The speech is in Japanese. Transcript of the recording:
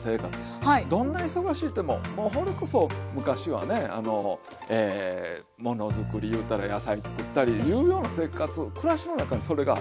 どんな忙しいいうてももうそれこそ昔はねものづくりいうたら野菜作ったりいうような生活暮らしの中にそれがあった。